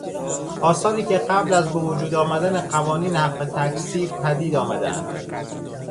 آثاری که قبل از بهوجود آمدن قوانین حق تکثیر پدید آمدهاند